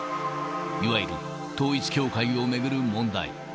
いわゆる統一教会を巡る問題。